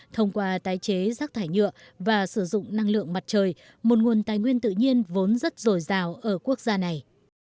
thông qua tái chế rác thải nhựa và sử dụng năng lượng mặt trời một nguồn tài nguyên tự nhiên vốn rất dồi dào ở quốc gia này